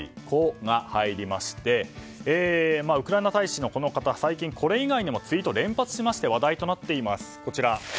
「コ」が入りましてウクライナ大使のこの方、最近、これ以外にもツイートを連発しまして話題となっています。